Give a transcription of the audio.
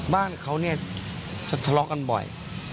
บ้านเขาเนี่ยจะทะเลาะกันบ่อย